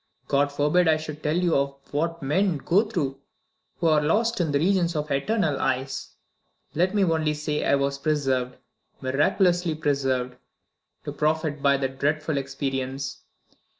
God forbid I should tell you of what men go through who are lost in the regions of eternal ice! Let me only say I was preserved miraculously preserved to profit by that dreadful experience.